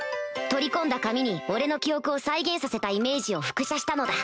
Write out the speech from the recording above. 取り込んだ紙に俺の記憶を再現させたイメージを複写したのだ